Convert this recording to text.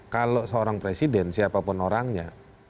kalau seorang presiden siapapun orangnya